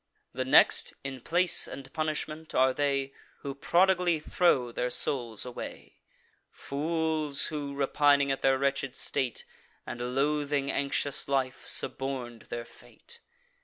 The next, in place and punishment, are they Who prodigally throw their souls away; Fools, who, repining at their wretched state, And loathing anxious life, suborn'd their fate.